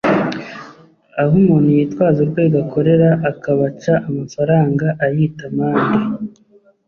aho umuntu yitwaza urwego akorera akabaca amafaranga ayita amande